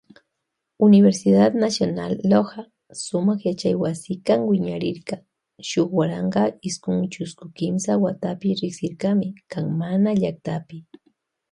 Universidad nacional Loja sumak yachaywasikan wiñarirka shuk waranka iskun chusku kimsa watapi riksirishkami kan mama llaktapi.